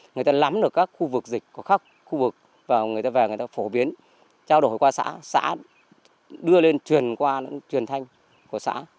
người ta lắm được các khu vực dịch của các khu vực vào người ta về người ta phổ biến trao đổi qua xã xã đưa lên truyền qua truyền thanh của xã